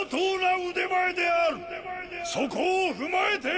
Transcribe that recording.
そこを踏まえて！